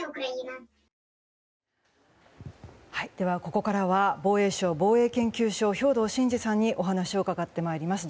ここからは防衛省防衛研究所の兵頭慎治さんにお話を伺ってまいります。